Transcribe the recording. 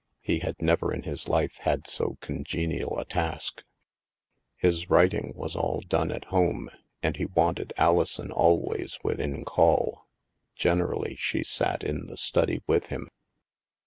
He had never in his life had so congenial a task. His writing was all done at home, and he wanted Alison always within call. Generally she sat in the study with him.